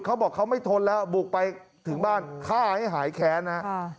เขาบอกเขาไม่ทนแล้วบุกไปถึงบ้านฆ่าให้หายแค้นฮะ